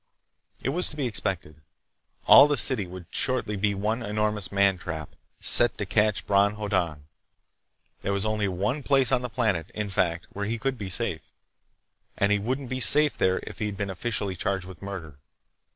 It was to be expected. All the city would shortly be one enormous man trap, set to catch Bron Hoddan. There was only one place on the planet, in fact, where he could be safe—and he wouldn't be safe there if he'd been officially charged with murder.